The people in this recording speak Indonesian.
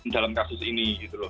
dalam kasus ini